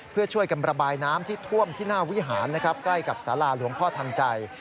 เพื่อช่วยกันระบายน้ำที่ท่วมที่หน้าวิหารนะครับใกล้กับสาราหลวงพ่อทันใจ